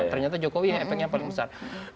ternyata jokowi yang efeknya paling besar